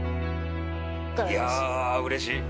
いやうれしい。